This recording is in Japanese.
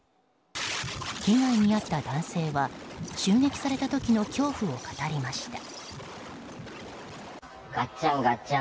被害に遭った男性は襲撃された時の恐怖を語りました。